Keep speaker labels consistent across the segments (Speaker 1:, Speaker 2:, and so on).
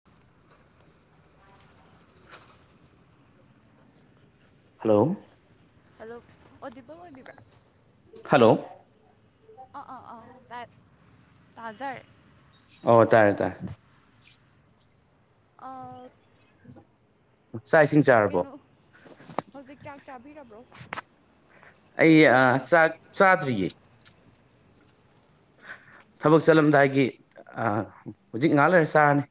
Speaker 1: [inaudible]
Speaker 2: Hello
Speaker 1: ꯑꯗꯣ audible ꯑꯣꯏꯕꯤꯕ꯭ꯔꯥ
Speaker 2: hello
Speaker 1: ꯑꯥ ꯑꯥ ꯑꯥ ꯇꯥ ꯇꯖꯔꯦ
Speaker 2: ꯑꯣ ꯇꯥꯏꯦ ꯇꯥꯏꯔꯦ
Speaker 1: ꯑ
Speaker 2: [inaudible] ꯆꯥꯏꯁꯤꯡ ꯆꯥꯏ
Speaker 1: ꯀꯩꯅꯣ ꯍꯧꯖꯤꯛ ꯆꯥꯛ ꯆꯥꯕꯤꯔꯕ꯭ꯔꯣ
Speaker 2: ꯑꯩ ꯆꯥꯛ ꯆꯥꯗ꯭ꯔꯤꯌꯦ ꯊꯕꯛ ꯆꯠꯂꯝꯗꯥꯏꯒꯤ ꯍꯧꯖꯤꯛ ꯉꯥꯏꯍꯥꯛ ꯂꯩꯔ ꯆꯥꯔꯅꯤ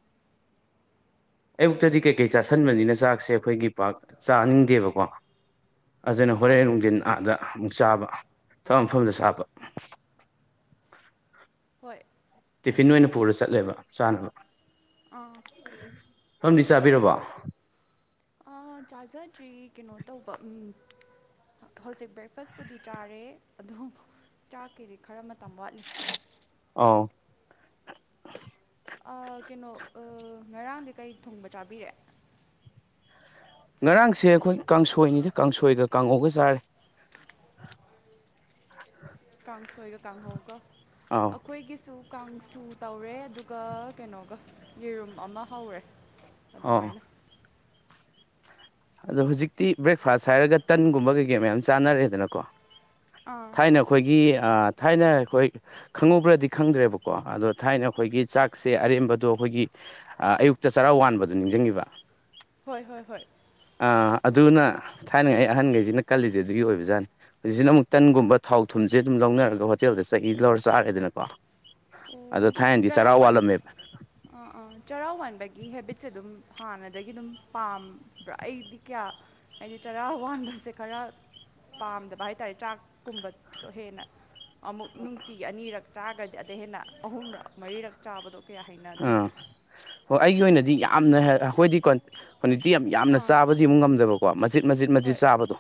Speaker 2: ꯑꯌꯨꯛꯇꯗꯤ
Speaker 1: ꯑꯣ
Speaker 2: ꯀꯩ ꯀꯩ ꯆꯥꯁꯟꯕꯅꯤꯅ ꯆꯥꯛꯁꯦ ꯑꯩꯈꯣꯏꯒꯤ ꯄꯥꯛ ꯆꯥꯅꯤꯡꯗꯦꯕꯀꯣ ꯑꯗꯨꯅ
Speaker 1: ꯑꯥ
Speaker 2: ꯍꯣꯔꯦꯟ ꯅꯨꯡꯊꯤꯟ ꯑꯥꯗ ꯑꯃꯨꯛ ꯆꯥꯕ ꯊꯕꯛ ꯃꯐꯝꯗ ꯆꯥꯕ
Speaker 1: ꯍꯣꯏ
Speaker 2: ꯇꯤꯐꯤꯟ ꯑꯣꯏꯅ ꯄꯨꯔ ꯆꯠꯂꯦꯕ ꯆꯥꯅꯕ
Speaker 1: ꯑꯥ
Speaker 2: ꯁꯣꯝꯗꯤ ꯆꯥꯕꯤꯔꯕꯣ
Speaker 1: ꯆꯥꯖꯗꯔ꯭ꯤ ꯀꯩꯅꯣ ꯇꯧꯕ ꯍꯧꯖꯤꯛ ꯕ꯭ꯔꯦꯛꯐꯥꯁꯄꯨꯗꯤ ꯆꯥꯔꯦ ꯑꯗꯨꯝ ꯆꯥꯛꯀꯗꯤ ꯈꯔ ꯃꯇꯝ ꯋꯥꯠꯂꯤ
Speaker 2: ꯑ
Speaker 1: ꯀꯩꯅꯣ ꯉꯔꯥꯡꯗꯤ ꯀꯩ ꯊꯨꯡꯕ ꯆꯥꯕꯤꯔꯦ
Speaker 2: ꯉꯔꯥꯡꯁꯦ ꯑꯩꯈꯣꯏ ꯀꯥꯡꯁꯣꯏꯅꯤꯗ ꯀꯥꯡꯁꯣꯏꯒ ꯀꯥꯡꯉꯧꯒ ꯆꯥꯔꯦ
Speaker 1: ꯀꯥꯡꯁꯣꯏꯒ ꯀꯥꯡꯍꯧꯒ
Speaker 2: ꯑꯧ
Speaker 1: ꯑꯩꯈꯣꯏꯒꯤꯁꯨ ꯀꯥꯡꯁꯨ ꯇꯧꯔꯦ ꯑꯗꯨꯒ ꯀꯩꯅꯣꯒ ꯌꯦꯔꯨꯝ ꯑꯃ ꯍꯧꯔꯦ
Speaker 2: ꯑꯧ
Speaker 1: ꯑꯗꯨꯃꯥꯏꯅ
Speaker 2: ꯑꯗꯣ ꯍꯧꯖꯤꯛꯇꯤ ꯕ꯭ꯔꯦꯛꯐꯥꯁ ꯍꯥꯏꯔꯒ ꯇꯟꯒꯨꯝꯕ ꯀꯩꯀꯩ ꯃꯌꯥꯝ ꯆꯥꯅꯔꯦꯗꯅꯀꯣ
Speaker 1: ꯑꯥ
Speaker 2: ꯊꯥꯏꯅ ꯑꯩꯈꯣꯏꯒꯤ ꯊꯥꯏꯅ ꯑꯩꯈꯣꯏ ꯈꯪꯍꯧꯕ꯭ꯔꯗꯤ ꯈꯪꯗ꯭ꯔꯦꯕꯀꯣ ꯑꯗꯣ ꯊꯥꯏꯅ ꯑꯩꯈꯣꯏꯒꯤ ꯆꯥꯛꯁꯦ ꯑꯔꯦꯝꯕꯗꯣ ꯑꯩꯈꯣꯏꯒꯤ ꯑꯌꯨꯛꯇ ꯆꯔꯥ ꯋꯥꯟꯕꯗꯨꯣ ꯅꯤꯡꯁꯤꯡꯉꯕ
Speaker 1: ꯍꯣꯏ ꯍꯣꯏ ꯍꯣꯏ
Speaker 2: ꯑꯥ ꯑꯗꯨꯅ ꯊꯥꯏꯅꯉꯩ ꯑꯩ ꯑꯍꯟꯈꯩꯁꯤꯅ ꯀꯜꯂꯤꯁꯦ ꯑꯗꯨꯒꯤ ꯑꯣꯏꯕꯖꯥꯠꯅꯤ ꯍꯧꯖꯤꯛꯁꯤꯅ ꯑꯃꯨꯛ ꯇꯟꯒꯨꯝꯕ ꯊꯥꯎ ꯊꯨꯝꯁꯦ ꯑꯗꯨꯝ ꯂꯧꯅꯔꯒ ꯍꯣꯇꯦꯜꯗ ꯆꯍꯤ ꯂꯧꯔ ꯆꯥꯔꯦꯗꯅꯀꯣ ꯑꯗꯣ
Speaker 1: ꯑꯣ
Speaker 2: ꯊꯥꯏꯗꯤ
Speaker 1: ꯆꯔꯥ
Speaker 2: ꯆꯔꯥꯎ
Speaker 1: ꯋꯥꯟ
Speaker 2: ꯋꯥꯠꯂꯝꯃꯦꯕ
Speaker 1: ꯑꯥ ꯑꯥ ꯆꯩꯔꯥꯎ ꯋꯥꯟꯕꯒꯤ ꯍꯦꯕꯤꯠꯁꯦ ꯑꯗꯨꯝ ꯍꯥꯟꯅꯗꯒꯤ ꯑꯗꯨꯝ ꯄꯥꯝꯕ꯭ꯔꯥ ꯑꯩꯗꯤ ꯀꯌꯥ ꯍꯥꯏꯗꯤ ꯇꯔꯥ ꯋꯥꯟꯕꯁꯦ ꯈꯔ ꯄꯥꯝꯗꯕ ꯍꯥꯏꯇꯥꯔꯦ ꯆꯥꯛꯀꯨꯝꯕꯗꯣ ꯍꯦꯟꯅ ꯑꯃꯨꯛ ꯅꯨꯡꯇꯤꯒꯤ ꯑꯅꯤꯔꯛ ꯆꯥꯔꯒꯗꯤ ꯑꯗ ꯍꯦꯟꯅ ꯑꯍꯨꯝꯔꯛ ꯃꯔꯤꯔꯛ ꯆꯥꯕꯗꯣ ꯀꯌꯥ ꯍꯩꯅꯗ꯭ꯔꯦ
Speaker 2: ꯑꯥ ꯍꯣꯏ ꯑꯩꯒꯤ ꯑꯣꯏꯅꯗꯤ ꯌꯥꯝꯅ ꯑꯩꯈꯣꯏꯗꯤ ꯀꯣꯟ ꯍꯧꯖꯤꯛꯇꯤ ꯌꯥꯝ ꯌꯥꯝꯅ
Speaker 1: ꯑꯥ
Speaker 2: ꯆꯥꯕꯗꯤ ꯑꯃꯨꯛ ꯉꯝꯗꯕꯀꯣ ꯃꯆꯖꯤꯠ ꯃꯆꯤꯠ ꯃꯆꯤꯠ
Speaker 1: ꯍꯣꯏ
Speaker 2: ꯆꯥꯕꯗꯣ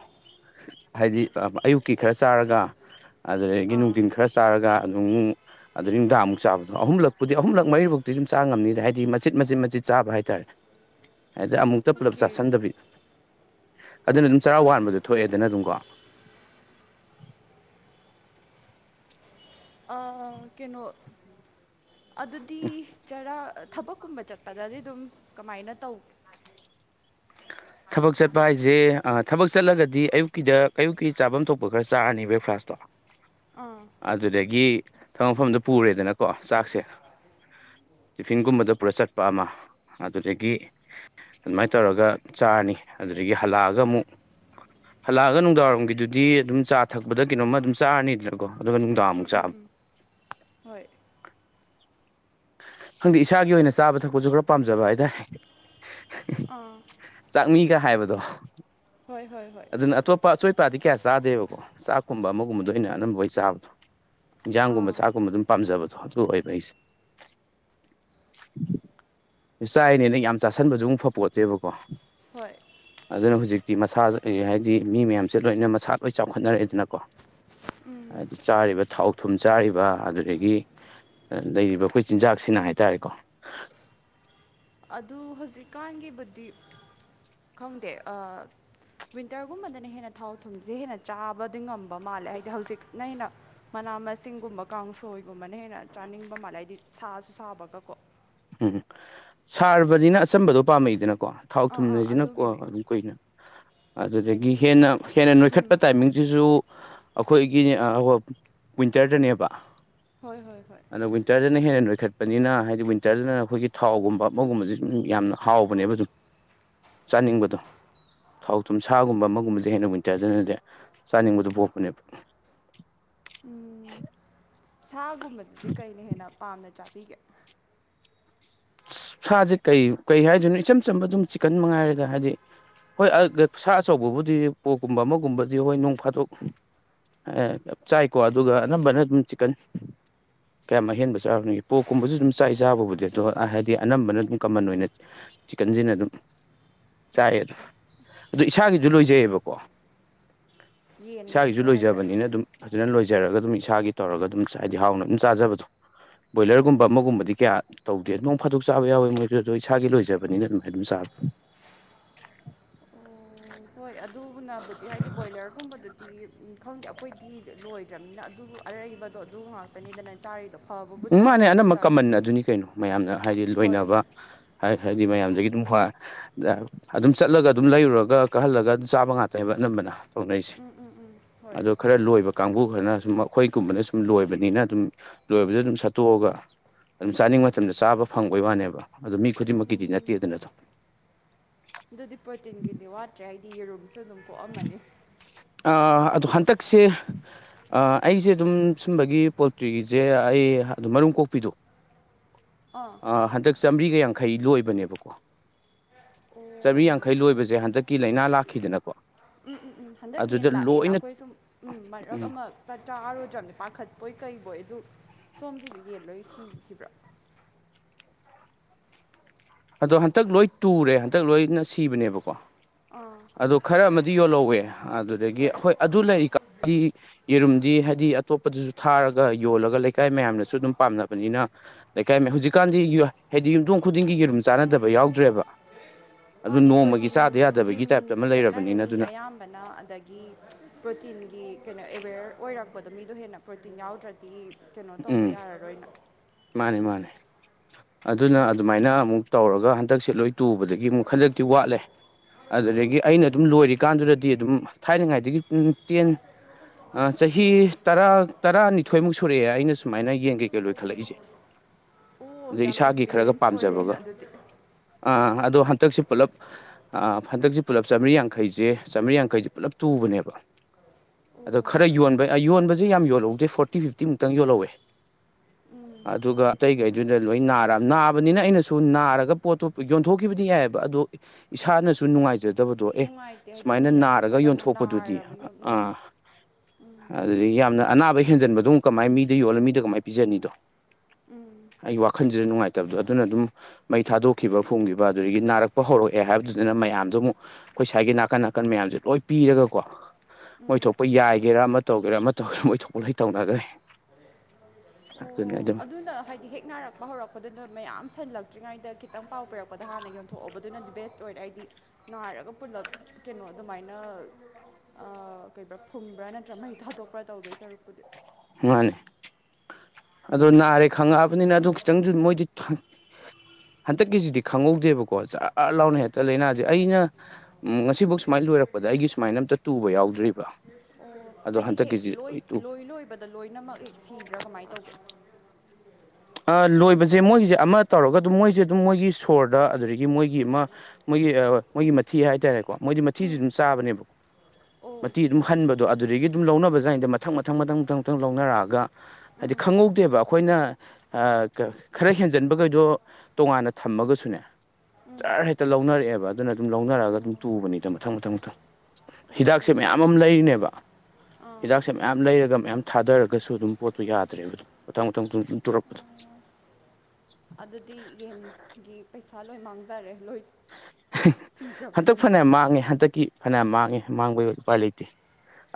Speaker 2: ꯍꯥꯏꯗꯤ ꯑꯌꯨꯛꯀꯤ ꯈꯔ ꯆꯥꯔꯒ ꯑꯗꯨꯗꯒꯤ
Speaker 1: ꯑꯥ
Speaker 2: ꯅꯨꯡꯊꯤꯟ ꯈꯔ ꯆꯥꯔꯒ ꯑꯗꯨꯝ ꯑꯗꯩ ꯅꯨꯡꯗꯥꯡꯃꯨꯛ ꯆꯥꯕꯗꯨꯅ ꯑꯍꯨꯝꯂꯛꯄꯨꯗꯤ ꯑꯍꯨꯝꯂꯛ ꯃꯐꯨ ꯇꯨꯤ ꯑꯗꯨꯝ ꯆ ꯉꯝꯅꯤꯗ ꯍꯥꯏꯗꯤ ꯃꯆꯤꯦꯠ ꯃꯆꯦꯠ ꯃꯆꯦꯠ ꯆꯥꯕ ꯍꯥꯏꯇꯥꯔꯦ ꯍꯥꯏꯗꯤ ꯑꯃꯨꯛꯇ ꯄꯨꯜꯂꯞ
Speaker 1: ꯑꯣꯀꯦ
Speaker 2: ꯆꯥꯥꯁꯟꯗꯕꯤ ꯑꯗꯨꯅ ꯑꯗꯨꯝ ꯆꯔꯥ ꯋꯥꯟꯥꯟꯕꯁꯨ ꯊꯣꯛꯑꯦꯗꯅ ꯑꯗꯨꯝ ꯀꯣ
Speaker 1: ꯀꯩꯅꯣ ꯑꯗꯨꯗꯤ ꯆꯔꯥ ꯊꯕꯛꯀꯨꯝꯕ ꯆꯠꯄꯗꯗꯤ ꯑꯗꯨꯝ ꯀꯃꯥꯏꯅ ꯇꯧ ꯍ [inaudible]
Speaker 2: ꯊꯕꯛ ꯆꯠꯄ ꯍꯥꯏꯁꯦ ꯊꯕꯛ ꯆꯠꯂꯒꯗꯤ ꯑꯌꯨꯛꯀꯤꯗ ꯑꯌꯨꯛꯀꯤ ꯆꯥꯐꯝ ꯊꯣꯛꯄ ꯈꯔ ꯆꯥꯔꯅꯤ ꯕ꯭ꯔꯦꯛꯐꯥꯁꯇꯣ
Speaker 1: ꯑꯥ
Speaker 2: ꯑꯗꯨꯗꯒꯤ ꯊꯕꯛꯐꯝꯗ ꯄꯨꯔꯦꯗꯅꯀꯣ ꯆꯥꯛꯁꯦ ꯇꯤꯐꯤꯟꯒꯨꯝꯕꯗ ꯄꯨꯔꯥ ꯆꯠꯄ ꯑꯃ ꯑꯗꯨꯗꯒꯤ ꯑꯗꯨꯃꯥꯏꯅ ꯇꯧꯔꯒ ꯆꯥꯔꯅꯤ ꯑꯗꯨꯗꯒꯤ ꯍꯜꯂꯛꯑꯒ ꯑꯃꯨꯛ ꯍꯜꯂꯛꯑꯒ ꯅꯨꯡꯗꯥꯡꯏꯔꯝꯒꯤꯗꯨꯗꯤ ꯑꯗꯨꯝ ꯆꯥ ꯊꯛꯄꯗ ꯀꯩꯅꯣꯝꯃ ꯑꯗꯨꯝ ꯆꯥꯔꯅꯤꯗ ꯑꯗꯨ
Speaker 1: ꯎꯝ ꯎꯝ ꯎꯝ ꯍꯣꯏ
Speaker 2: ꯍꯪꯗꯤꯦ ꯏꯁꯥꯒꯤ ꯑꯣꯏꯅ ꯆꯥꯕ ꯊꯛꯄꯁꯨ ꯈꯔ ꯄꯥꯝꯖꯕ ꯍꯥꯏꯇꯥꯔꯦ
Speaker 1: ꯑꯥ
Speaker 2: ꯆꯥꯛꯅꯤꯒ ꯍꯥꯏꯕꯗꯣ
Speaker 1: ꯍꯣꯏ ꯍꯣꯏ ꯍꯣꯏ
Speaker 2: ꯑꯗꯨꯅ ꯑꯇꯣꯞꯄ ꯑꯆꯣꯏ ꯑꯄꯥꯗꯤ ꯀꯌꯥ ꯆꯥꯗꯦꯕꯀꯣ ꯆꯥꯛꯀꯨꯝꯕ ꯑꯃꯒꯨꯝꯕꯗ ꯑꯣꯏꯅ ꯑꯅꯝꯕꯒꯤ ꯆꯥꯕꯗꯣ ꯌꯦꯟꯖꯥꯡꯒꯨꯝꯕ ꯆꯥꯛꯀꯨꯝꯕ ꯑꯗꯨꯝ ꯄꯥꯝꯖꯕꯗꯣ ꯑꯗꯨ ꯑꯣꯏꯕ ꯑꯩꯁꯦ ꯆꯥꯏꯅꯦ ꯅꯪ ꯌꯥꯝ ꯆꯥꯁꯟꯕꯁꯨ ꯑꯃꯨꯛ ꯐꯄꯣꯠꯇꯦꯕꯀꯣ
Speaker 1: ꯍꯣꯏ
Speaker 2: ꯑꯗꯨꯅ ꯍꯧꯖꯤꯛꯇꯤ ꯃꯁꯥ ꯀ ꯍꯥꯏꯗꯤ ꯃꯤ ꯃꯌꯥꯝꯁꯦ ꯂꯣꯏꯅ ꯃꯁꯥ ꯂꯣꯏ ꯆꯥꯎꯈꯠꯅꯔꯦꯗꯅꯀꯣ ꯍꯥꯏꯗꯤ ꯆꯥꯔꯤꯕ ꯊꯥꯎ ꯊꯨꯝ ꯆꯥꯔꯤꯕ ꯑꯗꯨꯗꯒꯤ ꯂꯩꯔꯤꯕ ꯑꯩꯈꯣꯏ ꯆꯤꯟꯖꯥꯛꯁꯤꯅ ꯍꯥꯏꯇꯥꯔꯦꯀꯣ
Speaker 1: ꯑꯗꯨ ꯍꯧꯖꯤꯛꯀꯥꯟꯒꯤꯕꯨꯗꯤ ꯈꯪꯗꯦ ꯋꯤꯟꯇꯔꯒꯨꯝꯕꯗꯅ ꯍꯦꯟꯅ ꯊꯥꯎ ꯊꯨꯝꯁꯦ ꯍꯦꯟꯅ ꯆꯥꯕꯗꯤ ꯉꯝꯕ ꯃꯥꯜꯂꯦ ꯍꯥꯏꯗꯤ ꯍꯧꯖꯤꯛꯅ ꯍꯦꯟꯅ ꯃꯅꯥ ꯃꯁꯤꯡꯒꯨꯝꯕ ꯀꯥꯡꯁꯣꯏꯒꯨꯝꯕꯅ ꯍꯦꯟꯅ ꯆꯥꯅꯤꯡꯕ ꯃꯥꯜꯂꯦ ꯍꯥꯏꯗꯤ ꯁꯥꯁꯨ ꯁꯥꯕꯒ ꯀꯣ
Speaker 2: ꯎꯝ ꯁꯥꯔꯕꯅꯤꯅ ꯑꯆꯝꯕꯗꯣ ꯄꯥꯝꯃꯛꯏꯗꯅꯀꯣ ꯊꯥꯎ
Speaker 1: ꯑꯥ ꯑꯥ
Speaker 2: ꯊꯨꯝꯅꯁꯤꯅꯀꯣ
Speaker 1: ꯑꯗꯨꯒꯤꯅꯦ
Speaker 2: ꯑꯗꯨ ꯀꯨꯏꯅ ꯑꯗꯨꯗꯒꯤ
Speaker 1: ꯍꯥꯏꯗꯤ
Speaker 2: ꯍꯦꯟꯅ ꯍꯦꯟꯅ ꯅꯣꯏꯈꯠꯄ
Speaker 1: ꯎꯝ
Speaker 2: ꯇꯥꯏꯃꯤꯡ ꯁꯤꯁꯨ ꯑꯩꯈꯣꯏꯒꯤ ꯀ꯭ꯋꯤꯟꯇꯔꯗꯅꯦꯕ
Speaker 1: ꯍꯣꯏ ꯍꯣꯏ ꯍꯣꯏ
Speaker 2: ꯑꯗꯣ ꯋꯤꯟꯇꯔꯗꯅ ꯍꯦꯟꯅ ꯅꯣꯏꯈꯠꯄꯅꯤꯅ ꯍꯥꯏꯗꯤ ꯋꯤꯟꯇꯔꯗꯅ ꯑꯩꯈꯣꯏꯒꯤ ꯊꯥꯎꯒꯨꯝꯕ ꯃꯒꯨꯝꯕꯁꯦ ꯁꯨꯝ ꯌꯥꯝꯅ ꯍꯥꯎꯕꯅꯦꯕ ꯑꯗꯨ ꯆꯥꯅꯤꯡꯕꯗꯣ ꯊꯥꯎ ꯊꯨꯝꯁꯥꯒꯨꯝꯕ ꯑꯃꯒꯨꯝꯕꯁꯦ ꯍꯦꯟꯅ ꯋꯤꯟꯇꯔꯗꯅꯗꯤ ꯆꯥꯅꯤꯡꯕꯗꯣ ꯄꯣꯛꯄꯅꯦꯕ
Speaker 1: ꯎꯝ ꯁꯥꯒꯨꯝꯕꯗꯨꯗꯤ ꯀꯩꯅ ꯍꯦꯟꯅ ꯄꯥꯝꯅ ꯆꯥꯕꯤꯒꯦ
Speaker 2: ꯁꯥꯁꯦ ꯀꯩ ꯀꯩ ꯍꯥꯏꯗꯣꯏꯅꯣ ꯏꯆꯝ ꯆꯝꯕ ꯑꯗꯨꯝ ꯆꯤꯛꯀꯟ ꯃꯉꯥꯏꯔꯒ ꯍꯥꯏꯗꯤ ꯍꯣꯏ ꯁꯥ ꯑꯆꯧꯕꯕꯨꯗꯤ ꯄꯣꯛꯀꯨꯝꯕ ꯑꯃꯒꯨꯝꯕꯗꯤ ꯍꯣꯏ ꯅꯣꯡ ꯐꯥꯗꯣꯛ ꯑꯦ ꯆꯥꯏꯀꯣ ꯑꯗꯨꯒ ꯑꯅꯝꯕꯅ ꯑꯗꯨꯝ ꯆꯤꯛꯀꯟ ꯀꯌꯥꯝ ꯑꯍꯦꯟꯕ ꯆꯥꯕꯅꯤꯒꯦ ꯄꯣꯛꯀꯨꯝꯕꯁꯨ ꯑꯗꯨꯝ ꯆꯥꯛ ꯆꯥꯕꯕꯨꯗꯤ ꯑꯗꯣ ꯍꯥꯏꯗꯤ ꯑꯅꯝꯕꯅ ꯑꯗꯨꯝ ꯀꯃꯟ ꯑꯣꯏꯅ ꯆꯤꯛꯀꯟꯁꯤꯅ ꯑꯗꯨꯝ ꯆꯥꯏꯌꯦ ꯑꯗꯣ ꯑꯗꯨ ꯏꯁꯥꯒꯤꯗꯨ ꯂꯣꯏꯖꯩꯑꯕꯀꯣ ꯏꯁꯥꯒꯤꯁꯨ
Speaker 1: ꯌꯦꯟꯔꯣ ꯍꯥꯏꯁꯦ
Speaker 2: ꯂꯣꯏꯖꯕꯅꯤꯅ ꯑꯗꯨꯝ ꯑꯗꯨꯖꯅ ꯂꯣꯏꯖꯔꯒ ꯑꯗꯨꯝ ꯏꯁꯥꯒꯤ ꯇꯧꯔꯒ ꯑꯗꯨꯝ ꯍꯥꯏꯗꯤ ꯍꯥꯎꯅ ꯑꯗꯨꯝ ꯆꯥꯖꯕꯗꯣ ꯕꯣꯏꯂꯔꯒꯨꯝꯕ ꯑꯃꯒꯨꯝꯕꯗꯤ ꯀꯌꯥ ꯇꯧ ꯑꯣꯦ ꯑꯗꯨꯝ ꯐꯗꯣꯛ ꯆꯥꯕ ꯌꯥꯎꯋꯦ ꯃꯣꯏꯗꯨ ꯑꯗꯣ ꯏꯁꯥꯒꯤ ꯂꯣꯏꯖꯕꯅꯤ ꯑꯗꯨꯝ ꯑꯗꯨꯝ ꯆꯥꯕꯗꯣ
Speaker 1: ꯑꯣ ꯍꯣꯏ ꯑꯗꯨꯅꯕꯨꯗꯤ ꯍꯥꯏꯗꯤ ꯕꯣꯏꯂꯔꯒꯨꯝꯕꯗꯨꯗꯤ ꯈꯪꯗꯦ ꯑꯩꯈꯣꯏꯗꯤ ꯂꯣꯏ ꯑꯣꯏ꯭ꯔꯕꯅꯤꯅ ꯑꯗꯨ ꯑꯔꯩꯕꯗꯣ ꯑꯗꯨ ꯉꯥꯏ ꯅꯤꯗꯅ ꯆꯥꯔꯤꯗꯣ ꯐꯕ
Speaker 2: ꯎ ꯃꯥꯅꯦ ꯑꯅꯝꯕ ꯀꯃꯟ ꯑꯗꯨꯅꯤ ꯀꯩꯅꯣ ꯃꯌꯥꯝꯅ ꯍꯥꯏꯗꯤ
Speaker 1: ꯍꯣꯏ
Speaker 2: ꯂꯣꯏꯅꯕ ꯍꯥꯏ ꯍꯥꯏꯗꯤ ꯃꯌꯥꯝꯗꯒꯤꯗꯒꯤ ꯑꯗꯨꯝ ꯋꯥ ꯑꯗꯨꯝ ꯆꯠꯂꯒ ꯑꯗꯨꯝ ꯂꯩꯔꯨꯔꯒ ꯀꯛꯍꯜꯂꯒ ꯑꯗꯨ ꯆꯥꯕ ꯉꯥꯛꯇꯅꯦꯕ ꯑꯅꯝꯕꯅ ꯇꯧꯅꯩꯁꯦ
Speaker 1: ꯍꯣꯏ
Speaker 2: ꯑꯣ ꯈꯔ ꯂꯣꯏꯕ ꯀꯥꯡꯕꯨ ꯈꯔꯅ ꯁꯨꯝ ꯑꯩꯈꯣꯏꯒꯨꯝꯕꯅ ꯁꯨꯝ ꯂꯣꯏꯕꯅꯤꯅ ꯑꯗꯨꯝ ꯂꯣꯏꯕꯗ ꯑꯗꯨꯝ ꯁꯠꯇꯣꯛꯑꯒ ꯑꯗꯨꯝ ꯆꯥꯅꯤꯡꯕ ꯃꯇꯝꯗ ꯆꯥꯕ ꯐꯪꯕꯩ ꯋꯥꯅꯦꯕ ꯑꯗꯨ ꯃꯤ ꯈꯨꯗꯤꯡꯃꯛꯀꯤꯗꯤ ꯅꯠꯇꯦ ꯑꯗꯨꯅꯗꯣ
Speaker 1: ꯑꯗꯨꯗꯤ ꯄ꯭ꯔꯣꯇꯤꯟꯒꯤꯗꯤ ꯋꯥꯠꯇ꯭ꯔꯦ ꯍꯥꯏꯗꯤ ꯌꯦꯔꯨꯝꯁꯨ ꯑꯗꯨꯝ ꯄꯣꯛꯑꯝꯃꯅꯤ
Speaker 2: ꯑꯗꯨꯗ ꯍꯟꯗꯛꯁꯦ ꯑꯩꯁꯦ ꯑꯗꯨꯝ ꯁꯨꯝꯕꯒꯤ ꯄꯣꯜꯇ꯭ꯔꯤꯒꯤꯁꯦ ꯑꯩ ꯑꯗꯨ ꯃꯔꯨꯝ ꯀꯣꯛꯄꯤꯗꯣ
Speaker 1: ꯑꯥ ꯑꯣ
Speaker 2: ꯍꯟꯗꯛ ꯆꯥꯃꯔꯤꯒ ꯌꯥꯡꯈꯩ ꯂꯣꯏꯕꯗꯣ
Speaker 1: ꯑꯣ
Speaker 2: ꯆꯝꯔꯤ ꯌꯥꯡꯈꯩ ꯂꯣꯏꯕꯁꯦ ꯍꯟꯗꯛꯀꯤ ꯂꯥꯏꯅꯥ ꯂꯥꯛꯈꯤꯗꯅꯀꯣ
Speaker 1: ꯎꯝ ꯎꯝ ꯎꯝ ꯍꯟꯗꯛ ꯌꯦꯟ
Speaker 2: ꯑꯗꯨꯗ
Speaker 1: ꯂꯥꯛꯑꯦꯅ
Speaker 2: ꯂꯣꯏꯅ
Speaker 1: ꯑꯩꯈꯣꯏꯁꯨ ꯎꯝ ꯃꯔꯛ
Speaker 2: ꯎꯝ
Speaker 1: ꯑꯃ ꯆꯥꯔꯨꯗ꯭ꯔꯕꯅꯦ ꯄꯥꯈꯠꯄꯣꯏ ꯀꯩꯕꯣꯏ ꯑꯗꯨ ꯁꯣꯝꯒꯤꯁꯨ ꯌꯦꯟ ꯂꯣꯏ ꯁꯤꯈꯤꯕ꯭ꯔꯥ
Speaker 2: ꯑꯗꯣ ꯍꯟꯇꯛ ꯂꯣꯏ ꯇꯨꯔꯦ ꯍꯟꯗꯛ ꯂꯣꯏꯅ ꯁꯤꯕꯅꯦꯕꯀꯣ ꯑꯗꯣ ꯈꯔ ꯑꯃꯗꯤ ꯌꯣꯜꯍꯧꯋꯦ ꯑꯗꯨꯗꯒꯤ ꯍꯣꯏ ꯑꯗꯨ ꯂꯩꯔꯤꯀꯥꯟꯒꯤ ꯌꯦꯔꯨꯝꯗꯤ ꯍꯥꯏꯗꯤ ꯑꯇꯣꯞꯄꯗꯁꯨ ꯊꯥꯔꯒ ꯌꯣꯜꯂꯒ ꯂꯩꯀꯥꯏ ꯃꯌꯥꯝꯅꯁꯨ ꯑꯗꯨꯝ ꯄꯥꯝꯅꯕꯅꯤꯅ ꯂꯩ ꯀꯥꯏ ꯍꯧꯖꯤꯛꯀꯥꯟꯗꯤ ꯍꯥꯏꯗꯤ ꯌꯨꯝꯊꯣꯡ ꯈꯨꯗꯤꯡꯒꯤ ꯌꯦꯨꯔꯨꯝ ꯆꯥꯟꯅꯗꯕ ꯌꯥꯎꯗ꯭ꯔꯦꯕ ꯑꯗꯨ
Speaker 1: ꯃꯥꯅꯦ
Speaker 2: ꯅꯣꯡꯃꯒꯤ
Speaker 1: ꯄ꯭ꯔꯣꯇꯤꯟ
Speaker 2: ꯆꯥꯗ ꯌꯥꯗꯕꯒꯤ ꯇꯥꯏꯞꯇ
Speaker 1: ꯖꯤꯝꯁꯨ
Speaker 2: ꯑꯃ
Speaker 1: ꯆꯠꯅꯔꯦ
Speaker 2: ꯂꯩꯔꯕꯅꯤꯅ
Speaker 1: ꯃꯤ
Speaker 2: ꯑꯗꯨꯅ
Speaker 1: ꯑꯌꯥꯝ ꯅ ꯑꯗꯒꯤ ꯄ꯭ꯔꯣꯇꯤꯟꯒꯤ ꯀꯩꯅꯣ ꯑꯦꯋꯦꯌꯔ ꯑꯣꯏꯔꯛꯄꯗꯣ ꯃꯤꯗꯣ ꯍꯦꯟꯅ ꯄ꯭ꯔꯣꯇꯤꯟ ꯌꯥꯎꯗ꯭ꯔꯗꯤ ꯀꯩꯅꯣ ꯇꯧꯕ
Speaker 2: ꯎꯝ
Speaker 1: ꯌꯥꯔꯔꯣꯏꯕ
Speaker 2: ꯃꯥꯅꯦ ꯃꯥꯅꯦ ꯑꯗꯨꯅ
Speaker 1: ꯑꯗꯨ
Speaker 2: ꯑꯗꯨꯃꯥꯏꯅ ꯑꯃꯨꯛ ꯇꯧꯔꯒ ꯍꯟꯗꯛꯁꯦ ꯂꯣꯏ ꯇꯨꯕꯗꯒꯤ ꯒꯤ ꯍꯟꯗꯛꯇꯤ ꯋꯥꯠꯂꯦ ꯑꯗꯨꯗꯒꯤ ꯑꯩꯅ ꯑꯗꯨꯝ ꯂꯣꯏꯔꯤꯀꯥꯟꯗꯨꯗꯗꯤ ꯑꯗꯨꯝ ꯊꯥꯏꯅꯉꯥꯏꯗꯒꯤ ꯇꯦꯟ ꯑꯃꯥ ꯆꯍꯤ ꯇꯔꯥ ꯇꯔꯥꯅꯤꯊꯣꯏꯃꯨꯛ ꯁꯨꯔꯛꯑꯦ ꯑꯩꯅ ꯁꯨꯃꯥꯏꯅ ꯌꯦꯡꯒꯦ ꯀꯩ ꯀꯩ ꯂꯣꯏ ꯈꯠꯂꯛꯏꯁꯦ
Speaker 1: ꯑꯣ
Speaker 2: ꯑꯗꯩ
Speaker 1: ꯌꯥꯝ
Speaker 2: ꯏꯁꯥꯒꯤ ꯈꯔꯒ
Speaker 1: ꯑꯦꯛꯁꯄꯤꯔꯤꯌꯦꯟꯁ
Speaker 2: ꯄꯥꯝꯖꯕꯒ
Speaker 1: ꯑꯣꯏꯔꯦꯅ ꯑꯗꯨꯗꯤ
Speaker 2: ꯑꯥ ꯑꯗꯣ ꯍꯟꯗꯛꯁꯦ ꯄꯨꯜꯂꯞ ꯍꯟꯗꯛꯁꯦ ꯄꯨꯂꯞ ꯆꯥꯝꯔꯤ ꯌꯥꯡꯈꯩꯖꯦ ꯆꯥꯝꯃꯔꯤ ꯌꯥꯡꯈꯩꯖꯦ ꯄꯨꯂꯞ ꯇꯨꯕꯅꯦꯕ ꯑꯗꯣ ꯈꯔ ꯌꯣꯟꯕ ꯌꯣꯟꯕꯁꯦ ꯌꯥꯝ ꯌꯣꯜꯍꯧꯗꯦ ꯐꯣꯔꯇꯤ ꯐꯤꯐꯇꯤ ꯃꯨꯛꯇꯪ ꯌꯣꯜꯍꯧꯋꯦ꯫
Speaker 1: ꯎꯝ
Speaker 2: ꯑꯗꯨꯒ ꯑꯇꯩꯒꯩꯗꯨꯗ ꯂꯣꯏ ꯅꯥꯔ ꯅꯥꯕꯅꯤꯅ ꯑꯩꯅꯁꯨ ꯅꯥꯔꯒ ꯄꯣꯠꯇꯣ ꯌꯣꯟꯊꯣꯛꯈꯤꯕꯗꯤ ꯌꯥꯏꯕ ꯑꯗꯣ ꯏꯁꯥꯅꯁꯨ ꯅꯨꯡꯉꯥꯏꯖꯗꯕꯗꯣ ꯑꯦ
Speaker 1: ꯅꯨꯡꯉꯥꯏꯇꯦ ꯍꯥꯏꯗꯤ ꯃꯤ
Speaker 2: ꯁꯨꯃꯥꯏꯅ ꯅꯥꯔꯒ
Speaker 1: ꯑꯇꯣꯞꯄꯗ ꯑꯃꯨꯛ
Speaker 2: ꯌꯣꯟꯊꯣꯛꯄꯗꯨꯗꯤ
Speaker 1: ꯅꯥꯔꯕ ꯌꯣꯟ ꯎꯝ
Speaker 2: ꯑꯥ ꯑꯗꯨꯗꯒꯤ ꯌꯥꯝꯅ ꯑꯅꯥꯕ ꯍꯦꯟꯖꯟꯕꯗꯨ ꯑꯃꯨꯛ ꯀꯃꯥꯏ ꯃꯤꯗ ꯌꯣꯜꯂꯣ ꯃꯤꯗ ꯀꯃꯥꯏꯅ ꯄꯤꯖꯅꯤꯗꯣ ꯑꯩ ꯋꯥꯈꯜꯁꯤꯗ ꯅꯨꯡꯉꯥꯏꯇꯕꯗꯣ ꯑꯗꯨꯅ ꯑꯗꯨꯝ ꯃꯩ ꯊꯥꯗꯣꯛꯈꯤꯕ ꯐꯨꯝꯈꯤꯕ ꯑꯗꯨꯗꯒꯤ ꯅꯥꯔꯛꯄ ꯍꯧꯔꯛꯑꯦ ꯍꯥꯏꯕꯗꯨꯗꯅ ꯃꯌꯥꯝꯗꯨ ꯑꯃꯨꯛ ꯑꯩꯈꯣꯏ ꯁ꯭ꯋꯥꯥꯏꯒꯤ ꯅꯥꯀꯟ ꯅꯥꯀꯟ ꯃꯌꯥꯝꯁꯦ ꯂꯣꯏ ꯄꯤꯔꯒꯀꯣ ꯃꯣꯏ ꯊꯣꯛꯄ ꯌꯥꯏꯒꯦꯔꯥ ꯑꯃ ꯇꯧꯒꯦꯔꯥ ꯑꯃ ꯇꯧꯒꯦꯔꯥ ꯃꯣꯏ ꯊꯣꯛꯄ ꯂꯣꯏ ꯇꯧꯅꯈ꯭ꯔꯦ ꯑꯗꯨꯅꯤ
Speaker 1: ꯑꯣ
Speaker 2: ꯑꯗꯨꯝ
Speaker 1: ꯑꯗꯨꯅ ꯍꯥꯏꯗꯤ ꯍꯦꯛ ꯅꯥꯔꯛ ꯍꯧꯔꯛꯄꯗꯨꯅ ꯃꯌꯥꯝ ꯁꯜꯂꯛꯇ꯭ꯔꯤꯉꯩꯗ ꯈꯤꯇꯪ ꯄꯥꯎ ꯄꯤꯔꯛꯄꯗ ꯍꯥꯟꯅ ꯌꯣꯟꯊꯣꯛꯑꯕꯗꯨꯅꯗꯤ ꯕꯦꯁ ꯑꯣꯏꯔꯦ ꯑꯩꯗꯤ ꯥꯅꯔꯒ ꯄꯨꯂꯞ ꯀꯩꯅꯣ ꯑꯗꯨꯃꯥꯏꯅ ꯑꯃꯥ ꯀꯩꯕ ꯐꯨꯝꯕ꯭ꯔꯥ ꯅꯠꯇ꯭ꯔꯥ ꯃꯩ ꯊꯥꯗꯣꯛꯄ꯭ꯔꯥ ꯇꯧꯗꯣꯏ ꯁꯔꯨꯛꯄꯨꯗꯤ
Speaker 2: ꯃꯥꯅꯦ ꯑꯗꯣ ꯅꯥꯔꯦ ꯈꯪꯉꯛꯑꯕꯅꯤꯅ ꯑꯗꯨ ꯈꯤꯇꯪꯗꯤ ꯃꯣꯏꯗꯤ ꯍꯟꯗꯛꯀꯤꯁꯤꯗꯤ ꯈꯪꯍꯧꯗꯦꯕꯀꯣ ꯆꯔ ꯂꯥꯎꯅ ꯍꯦꯛꯇ ꯂꯥꯏꯅꯥꯁꯦ ꯑꯩꯅ ꯎ ꯉꯁꯤꯐꯥꯎ ꯁꯨꯃꯥꯏꯅ ꯂꯣꯏꯔꯛꯄꯗ ꯑꯩꯒꯤ ꯁꯨꯃꯥꯏꯅ ꯑꯝꯇ ꯇꯨꯕ ꯌꯥꯎꯗ꯭ꯔꯤ
Speaker 1: ꯑꯣ ꯍꯥꯏꯗꯤ ꯍꯦꯛ
Speaker 2: ꯇꯨ
Speaker 1: ꯂꯣꯏ ꯂꯣꯏꯕꯗ ꯂꯣꯏꯅꯃꯛ ꯍꯦꯛ ꯁꯤꯕ꯭ꯔꯥ ꯀꯃꯥꯏꯅ ꯇꯧꯒꯦ꯫
Speaker 2: ꯑ ꯂꯣꯏꯕꯁꯦ ꯃꯣꯏꯒꯤꯁꯦ ꯑꯃ ꯇꯧꯔꯒ ꯑꯗꯨꯝ ꯃꯣꯏꯁꯦ ꯑꯗꯨꯝ ꯃꯣꯏꯒꯤ ꯁꯣꯔꯗ ꯑꯗꯨꯗꯒꯤ ꯃꯣꯏꯒꯤ ꯑꯃ ꯃꯣꯏꯒꯤ ꯃꯊꯤ ꯍꯥꯏꯇꯥꯔꯦꯀꯣ ꯃꯣꯏꯗꯤ ꯃꯊꯤꯖꯨ ꯑꯗꯨꯝ ꯆꯥꯕꯅꯦꯕꯀꯣ
Speaker 1: ꯑꯣ
Speaker 2: ꯃꯊꯤ ꯑꯗꯨꯝ ꯍꯟꯕꯗꯣ ꯑꯗꯨꯗꯒꯤ ꯑꯗꯨꯝ ꯂꯧꯅꯕꯖꯥꯟꯅꯤꯗ ꯃꯊꯪ ꯃꯊꯪ ꯃꯊꯪ ꯃꯊꯪ ꯂꯧꯅꯔꯛꯑꯒ ꯍꯥꯏꯗꯤ ꯈꯪꯍꯧꯗꯦꯕ ꯑꯩꯈꯣꯏꯅ ꯑ ꯈꯔ ꯍꯦꯟꯖꯟꯕꯒꯩꯗꯣ ꯇꯣꯉꯥꯟꯅ ꯊꯝꯃꯒꯁꯨꯅꯦ ꯆꯔ ꯍꯦꯛꯇ ꯂꯧꯅꯔꯛꯑꯦꯕ ꯑꯗꯨꯅ ꯑꯗꯨꯝ
Speaker 1: ꯑꯣ
Speaker 2: ꯂꯧꯅꯔꯒ ꯑꯗꯨꯝ ꯇꯨꯕꯅꯤꯗ ꯃꯊꯪ ꯃꯊꯪ ꯃꯊꯪ
Speaker 1: ꯑꯣꯀꯦ
Speaker 2: ꯍꯤꯗꯥꯛꯁꯦ ꯃꯌꯥꯝ ꯑꯃ ꯂꯩꯔꯤꯅꯦꯕ
Speaker 1: ꯑꯥ
Speaker 2: ꯍꯤꯗꯥꯛꯁꯦ ꯃꯌꯥꯝ ꯂꯩꯔꯒ ꯃꯌꯥꯝ ꯊꯥꯗꯔꯒꯁꯨ ꯑꯗꯨꯝ ꯄꯣꯠꯇꯨ ꯌꯥꯗ꯭ꯔꯦꯕ ꯑꯗꯨ ꯃꯊꯪ ꯃꯊꯪ ꯃꯊꯪ ꯇꯨꯔꯛꯄꯗꯣ
Speaker 1: ꯑꯗꯨꯗꯤ ꯌꯦꯟꯒꯤ ꯄꯩꯁꯥ ꯂꯣꯏ ꯃꯥꯡꯖꯔꯦ ꯂꯣꯏ
Speaker 2: ꯍꯟꯗꯛ
Speaker 1: ꯁꯤꯈ꯭ꯔꯕꯅꯤꯅ
Speaker 2: ꯐꯅꯌꯥꯝ ꯃꯥꯡꯉꯦ ꯍꯟꯗꯛꯀꯤ ꯐꯅꯌꯥꯝ ꯃꯥꯡꯉꯦ ꯃꯥꯡꯕꯗꯣ ꯎꯄꯥꯏ ꯂꯩꯇꯦ꯫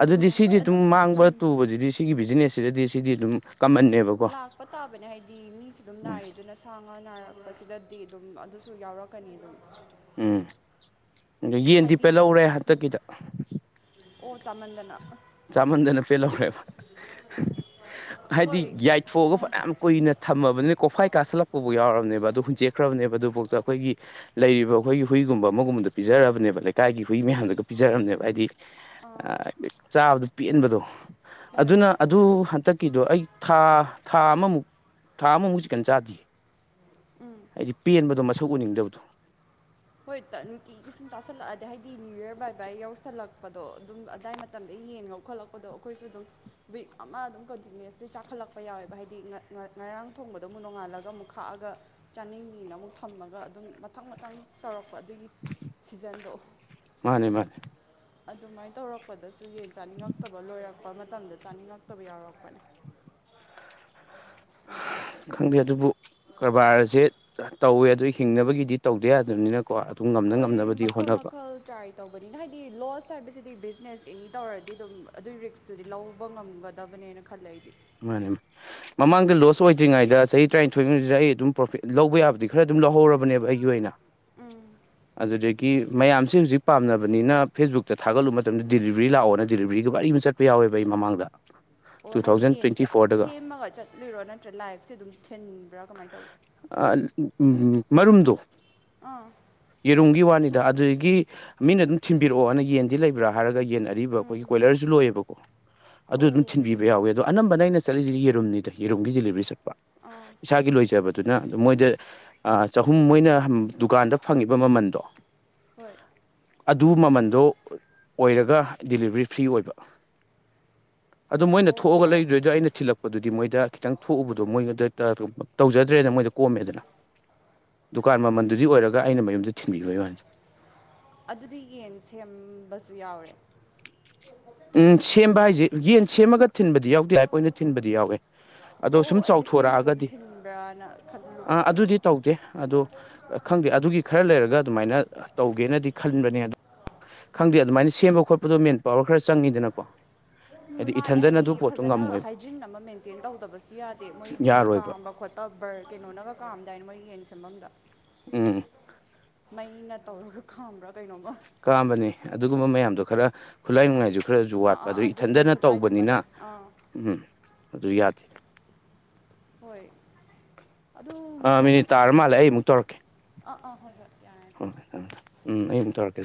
Speaker 2: ꯑꯗꯨꯗꯤ
Speaker 1: ꯑꯥ,
Speaker 2: ꯁꯤꯗꯤ
Speaker 1: ꯍꯣꯏ ꯑꯗꯨ
Speaker 2: ꯑꯗꯨꯝ ꯃꯥꯡꯕ ꯇꯨꯕꯗꯨꯗꯤ ꯁꯤꯒꯤ ꯕꯤꯖꯤꯅꯦꯁꯁꯤꯗꯗꯤ ꯁꯤꯗꯤ ꯑꯗꯨꯝ ꯀꯝꯃꯟꯅꯦ
Speaker 1: ꯂꯥꯛꯄ ꯇꯥꯕꯅꯦ ꯍꯥꯏꯗꯤ ꯃꯤꯁꯨ ꯑꯗꯨꯝ ꯅꯥꯔꯦ ꯑꯗꯨꯅ ꯁꯥꯥꯡ ꯉꯥ ꯅꯥꯏꯔꯛꯄꯁꯤꯗꯗꯤ ꯑꯗꯨꯝ ꯑꯗꯨꯁꯨ ꯌꯥꯎꯔꯛꯀꯅꯤ ꯑꯗꯨꯝ
Speaker 2: ꯎꯝ ꯑꯗꯨ ꯌꯦꯟꯗꯤ
Speaker 1: ꯍꯥꯏꯗꯤ
Speaker 2: ꯄꯦꯜꯍꯧꯔꯦ ꯍꯟꯇꯛꯀꯤꯗ
Speaker 1: ꯑꯣ ꯆꯥꯃꯟꯗꯅ
Speaker 2: ꯆꯥꯃꯟꯗꯅ ꯄꯦꯜꯍꯧꯔꯦꯕ ꯍꯥꯏꯗꯤ
Speaker 1: ꯍꯣꯏ
Speaker 2: ꯌꯥꯏꯊꯣꯛꯑꯒ ꯐꯅꯌꯥꯝ ꯀꯨꯏꯅ ꯊꯝꯃꯕꯅꯤꯅ ꯀꯣꯐꯥꯏ ꯀꯥꯁꯜꯂꯛꯄ ꯐꯥꯎ ꯌꯥꯎꯔꯕꯅꯦꯕ ꯑꯗꯨ ꯍꯨꯟꯁꯦꯛꯈ꯭ꯔꯕꯅꯦꯕ ꯑꯗꯨꯐꯥꯎꯗ ꯑꯩꯈꯣꯏꯒꯤ ꯂꯩꯔꯤꯕ ꯑꯩꯈꯣꯏꯒꯤ ꯍꯨꯏꯒꯨꯝꯕ ꯑꯃꯒꯨꯝꯕꯗ ꯄꯤꯖꯔꯕꯅꯦꯕ ꯂꯩꯀꯥꯏꯒꯤ ꯍꯨꯏ ꯃꯌꯥꯝꯗ ꯄꯤꯖꯔꯝꯅꯦꯕ ꯍꯥꯏꯗꯤ ꯆꯥꯕꯗ ꯄꯦꯟꯕꯗꯣ
Speaker 1: ꯍꯣꯏ
Speaker 2: ꯑꯗꯨꯅ ꯑꯗꯨ ꯍꯟꯇꯛꯀꯤꯗꯣ ꯑꯩ ꯊꯥ ꯊꯥ ꯑꯃꯃꯨꯛ ꯊꯥ ꯑꯃꯃꯨꯛ ꯆꯤꯛꯀꯟ ꯆꯥꯗꯦꯌ ꯍꯥꯏꯗꯤ ꯄꯦꯟꯕꯗꯣ ꯃꯁꯛ ꯎꯅꯤꯡꯗꯕꯗꯣ
Speaker 1: ꯍꯣꯏ ꯇꯟ ꯅꯨꯡꯇꯤꯒꯤ ꯁꯨꯝ ꯆꯥꯥꯁꯜꯂꯛ ꯑꯗꯤ ꯍꯥꯏꯗꯤ ꯅꯤꯌꯨ ꯌꯔ ꯕꯥꯏ ꯕꯥꯏ ꯌꯧꯁꯜꯂꯛꯄꯗꯣ ꯑꯗꯨꯝ ꯑꯗꯥꯏ ꯃꯠ ꯃꯇꯝꯗꯩ ꯌꯦꯟ ꯉꯧꯈꯠꯂꯛꯄꯗꯣ ꯑꯩꯈꯣꯏꯁꯨ ꯑꯗꯨꯝ ꯋꯤꯛ ꯑꯃ ꯑꯗꯨꯝ ꯀꯟꯇꯤꯅ꯭ꯨꯁꯂꯤ ꯆꯥꯈꯠꯂꯛꯄ ꯌꯥꯎꯋꯦꯕ ꯍꯥꯏꯗꯤ ꯉꯥ ꯉꯥ ꯉꯥꯔꯥꯡ ꯊꯣꯡꯕꯗꯣ ꯑꯃꯨꯛ ꯅꯣꯡꯉꯥꯜꯂꯒ ꯑꯃꯨꯛ ꯈꯥꯛꯑꯒ ꯆꯥꯅꯤꯡꯅꯤꯅ ꯑꯃꯨꯛ ꯊꯝꯃꯒ ꯑꯗꯨꯝ ꯃꯊꯪ ꯃꯊꯪ ꯇꯧꯔꯛꯄ ꯑꯗꯨꯒꯤ ꯁꯤꯖꯟꯗꯣ
Speaker 2: ꯃꯥꯅꯦ ꯃꯥꯅꯦ
Speaker 1: ꯑꯗꯨꯃꯥꯏꯅ ꯇꯧꯔꯛ ꯄꯗꯁꯨ ꯌꯦꯟ ꯆꯥꯅꯤꯡꯉꯛꯇꯕ ꯂꯣꯏꯔꯛꯄ ꯃꯇꯝꯗ ꯆꯥꯅꯤꯡꯉꯛꯇꯕ ꯌꯥꯎꯔꯛꯄꯅꯦ
Speaker 2: ꯈꯪꯗꯦ ꯑꯗꯨꯕꯨ ꯀꯔꯕꯥꯔꯑꯖꯦ ꯇꯧꯋꯦ ꯑꯗꯨ ꯍꯤꯡꯅꯕꯒꯤꯗꯤ ꯇꯧꯗ ꯌꯥꯗꯕꯅꯤꯅꯀꯣ ꯑꯗꯨꯝ ꯉꯝꯅ
Speaker 1: ꯍꯣꯏ
Speaker 2: ꯉꯝꯅꯕꯗꯤ
Speaker 1: ꯃꯈꯜ
Speaker 2: ꯍꯣꯠꯅꯕ
Speaker 1: ꯃꯈꯜ ꯇ꯭ꯔꯥꯏ ꯇꯧꯕꯅꯤꯅ ꯍꯥꯏꯗꯤ ꯂꯣꯁ ꯍꯥꯏꯕꯁꯤꯗꯤ ꯕꯤꯖꯤꯅꯦꯁ ꯑꯦꯅꯤ ꯇꯧꯔꯗꯤ ꯑꯗꯨꯝ ꯑꯗꯨꯏ ꯔꯤꯛꯁ ꯗꯨꯨꯗꯤ ꯂꯧꯕ ꯉꯝꯒꯗꯕꯅꯦꯅ ꯈꯜꯂꯦ ꯑꯩꯗꯤ
Speaker 2: ꯃꯥꯅꯦ ꯃꯥ ꯃꯃꯥꯡꯗ ꯂꯣꯁ ꯑꯣꯏꯗ꯭ꯔꯤꯉꯩꯗ ꯆꯍꯤ ꯇꯔꯥꯅꯤꯊꯣꯏꯃꯨꯖꯤꯗ ꯑꯩ ꯑꯗꯨꯝ ꯄ꯭ꯔꯣꯐꯤꯠ ꯂꯧꯕ ꯌꯥꯕꯗꯤ ꯈꯔ ꯑꯗꯨꯝ ꯂꯧꯍꯧꯔꯕꯅꯦꯕ ꯑꯩꯒꯤ ꯑꯣꯏꯅ ꯑꯗꯨꯗꯒꯤ ꯀꯤ ꯃꯌꯥꯝꯁꯦ ꯍꯧꯖꯤꯛ ꯄꯥꯝꯅꯕꯅꯤꯅ ꯐꯦꯁꯕꯨꯛꯇ ꯊꯥꯒꯠꯂꯨꯕ ꯃꯇꯝꯗ ꯗꯤꯂꯤꯕꯔꯤ ꯂꯥꯛꯑꯣꯅ ꯗꯤꯂꯤꯕꯔꯤꯒ ꯋꯥꯔꯤ ꯑꯩꯅ ꯆꯠ ꯄꯌꯥꯎꯋꯦꯕ ꯑꯩ ꯃꯃꯥꯡꯗ
Speaker 1: ꯑꯣ
Speaker 2: ꯇꯨ
Speaker 1: ꯍꯥꯏꯗꯤ
Speaker 2: ꯊꯥꯎꯖꯟ
Speaker 1: ꯌꯦꯟꯁꯦ
Speaker 2: ꯇ꯭ꯋꯦꯟꯇꯤ ꯐꯣꯔꯗꯒ
Speaker 1: ꯁꯦꯝꯃꯒ ꯆꯠꯂꯣꯏꯔꯣ ꯅꯠꯇ꯭ꯔꯒ ꯂꯥꯏꯐꯁꯦ ꯑꯗꯨꯝ ꯊꯤꯟꯕ꯭ꯔꯥ ꯀꯃꯥꯏ ꯇꯧꯏ
Speaker 2: ꯑꯥ ꯑꯥ ꯎꯝ ꯃꯔꯨꯝꯗꯣ
Speaker 1: ꯑꯥ
Speaker 2: ꯌꯦꯔꯨꯝꯒꯤ ꯋꯥꯅꯤꯗ ꯑꯗꯨꯗꯒꯤ ꯃꯤꯅ ꯑꯗꯨꯝ ꯊꯤꯟꯕꯤꯔꯛꯑꯣꯅ ꯌꯦꯟꯗꯤ ꯂꯩꯕ꯭ꯔꯥ ꯍꯥꯏꯔꯒ ꯌꯦꯟ ꯑꯔꯤꯕ ꯑꯩꯈꯣꯏꯒꯤ ꯀꯣꯏꯂꯔꯁꯨ ꯂꯣꯏꯑꯦꯕꯀꯣ ꯑꯗꯨ
Speaker 1: ꯑꯣ
Speaker 2: ꯑꯗꯨꯝ ꯊꯤꯟꯕꯤꯕ ꯌꯥꯎꯋꯦ ꯑꯗꯣ ꯑꯅꯝꯕꯅ ꯑꯩꯅ ꯆꯠꯂꯤꯁꯤꯗꯤ ꯌꯦꯔꯨꯝꯅꯤꯗ ꯌꯦꯔꯨꯝꯒꯤ ꯗꯤꯂꯤꯕꯔꯤ ꯆꯠꯄ
Speaker 1: ꯑꯥ
Speaker 2: ꯏꯁꯥꯒꯤ ꯂꯣꯏꯖꯕ ꯗꯨꯅ ꯃꯣꯏꯗ ꯑꯥ ꯆꯍꯨꯝ ꯃꯣꯏꯅ ꯗꯨꯀꯥꯟꯗ ꯐꯪꯉꯤꯕ ꯃꯃꯥꯟꯗꯣ
Speaker 1: ꯍꯣꯏ
Speaker 2: ꯑꯗꯨ ꯃꯃꯟꯗꯣ ꯑꯣꯏꯔꯒ ꯗꯤꯂꯤꯕꯔꯤ ꯐ꯭ꯔꯤ ꯑꯣꯏꯕ ꯑꯗꯣ ꯃꯣꯏꯅ
Speaker 1: ꯑꯣ
Speaker 2: ꯊꯣꯛꯑꯒ ꯂꯩꯗꯣꯏꯗꯣ ꯑꯩꯅ ꯊꯤꯜꯂꯛꯄꯗꯨꯗꯤ ꯃꯣꯏꯗ ꯈꯤꯇꯪ ꯊꯣꯛꯎꯕꯗꯣ ꯃꯣꯏꯉꯣꯟꯗ ꯇꯧꯖꯗ꯭ꯔꯦꯗ ꯃꯣꯏꯗ ꯀꯣꯝꯃꯦꯗꯅ ꯗꯨꯀꯥꯟ ꯃꯃꯟꯗꯨꯗꯤ ꯑꯣꯏꯔꯒ ꯑꯩꯅ ꯃꯌꯨꯝꯗ ꯊꯤꯟꯕꯤꯕꯩ ꯋꯥꯅꯤ
Speaker 1: ꯑꯗꯨꯗꯤ ꯌꯦꯟ ꯁꯦꯝꯕꯁꯨ ꯌꯥꯎꯔꯦ
Speaker 2: ꯎꯝ ꯁꯦꯝꯕ ꯍꯥꯏꯁꯦ ꯌꯦꯟ ꯁꯦꯝꯃꯒ ꯊꯤꯟꯕꯗꯤ ꯌꯥꯎꯗꯦ ꯂꯥꯏꯞ ꯑꯣꯏꯅ ꯊꯤꯟꯕꯗꯤ ꯌꯥꯎꯋꯦ
Speaker 1: ꯑꯣ
Speaker 2: ꯑꯗꯣ
Speaker 1: ꯑꯣ
Speaker 2: ꯁꯨꯝ
Speaker 1: ꯑꯩꯗꯤ ꯁꯦꯝꯃꯒꯁꯨ
Speaker 2: ꯆꯥꯎꯊꯣꯔꯛꯑꯒꯗꯤ
Speaker 1: ꯊꯤꯟꯕ꯭ꯔꯥꯅ ꯈꯜꯂꯨꯕ
Speaker 2: ꯑꯥ ꯑꯗꯨꯗꯤ ꯇꯧꯗꯦ ꯑꯗꯣ ꯈꯪꯗꯦ ꯑꯗꯨꯒꯤ ꯈꯔ ꯂꯩꯔꯒ ꯑꯗꯨꯃꯥꯏꯅ ꯇꯧꯒꯦꯅꯗꯤ ꯈꯟꯕꯅꯦ ꯑꯥ ꯈꯪꯗꯦ ꯑꯗꯨꯃꯥꯏꯅ ꯁꯦꯝꯕ ꯈꯣꯠꯄꯗꯣ ꯃꯦꯟ ꯄꯋꯥꯔ ꯈꯔ ꯆꯪꯉꯤꯗꯅꯀꯣ
Speaker 1: ꯎꯝ
Speaker 2: ꯍꯥꯏꯗꯤ
Speaker 1: ꯃꯥꯅꯦ
Speaker 2: ꯏꯊꯟꯗꯅ
Speaker 1: ꯍꯥꯏꯗꯤ
Speaker 2: ꯑꯗꯨ ꯄꯣꯠꯇꯣ
Speaker 1: ꯐꯥꯖꯅ
Speaker 2: ꯉꯝꯃꯣꯏꯕ
Speaker 1: ꯍꯥꯏꯖꯤꯟ ꯑꯃ ꯃꯦꯟꯇꯦꯟ ꯇꯧꯗꯕꯁꯨ ꯌꯥꯗꯦ ꯃꯣꯏꯒꯤ
Speaker 2: ꯌꯥꯔꯣꯏꯕ
Speaker 1: ꯀꯥꯝꯕ ꯈꯣꯠꯄ ꯑꯕꯔ ꯀꯩꯅꯣꯅꯒ ꯀꯥꯝꯗꯥꯏꯅ ꯃꯣꯏ ꯌꯦꯟ ꯁꯦꯝꯕꯝꯗꯣ
Speaker 2: ꯎꯝ
Speaker 1: ꯃꯩꯅ ꯇꯧꯔꯒ ꯈꯥꯝꯕ꯭ꯔꯥ ꯀꯩꯅꯣꯃ
Speaker 2: ꯀꯥꯝꯕꯅꯤ ꯑꯗꯨꯒꯨꯝꯕ ꯃꯌꯥꯝꯗꯣ ꯈꯔ ꯈꯨꯠꯂꯥꯏ ꯅꯨꯡꯉꯥꯏꯁꯨ ꯈꯔꯖꯨ
Speaker 1: ꯑꯥ
Speaker 2: ꯋꯥꯠꯄ
Speaker 1: ꯑꯥ
Speaker 2: ꯑꯗꯨ
Speaker 1: ꯑꯥ ꯑꯗꯨꯒꯤ ꯃꯣꯏ
Speaker 2: ꯏꯊꯟꯗꯅ
Speaker 1: ꯈꯨꯠꯂꯥꯏꯒꯨꯝꯕ
Speaker 2: ꯇꯧꯕꯅꯤꯅ
Speaker 1: ꯂꯩ ꯑꯥ
Speaker 2: ꯎꯝ ꯑꯗꯨ ꯌꯥꯗꯦ
Speaker 1: ꯍꯣꯏ ꯑꯗꯨ
Speaker 2: ꯑꯥ
Speaker 1: ꯃꯊꯪ
Speaker 2: ꯃꯤꯅꯤꯠ
Speaker 1: ꯃꯊꯪ
Speaker 2: ꯇꯥꯔ ꯃꯥꯜꯂꯦ ꯑꯩ ꯑꯃꯨꯛ ꯇꯧꯔꯛꯀꯦ
Speaker 1: ꯑꯥ ꯑꯥ ꯍꯣꯏ ꯍꯣꯏ ꯌꯥꯔꯦ
Speaker 2: ꯍꯣꯏ ꯎꯝ ꯑꯩ ꯑꯃꯨꯛ ꯇꯧꯔꯀ